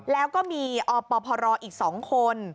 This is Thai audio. แล้วก็มีอปพรอีก๒คน